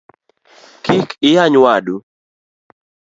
Kik iyany wadu